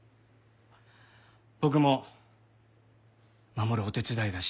僕も守るお手伝いがしたい。